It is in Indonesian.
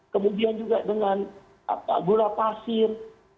kemudian juga dengan gula pasir